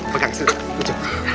pegang sini ujung